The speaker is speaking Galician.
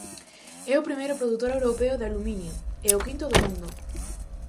É o primeiro produtor europeo de aluminio e o quinto do mundo.